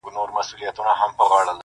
دا حالت ښيي چي هغه له خپل فردي وجود څخه ,